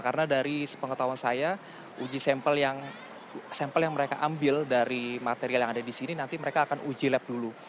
karena dari pengetahuan saya uji sampel yang mereka ambil dari material yang ada di sini nanti mereka akan uji lab dulu